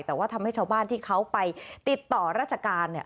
แต่ว่าทำให้ชาวบ้านที่เขาไปติดต่อราชการเนี่ย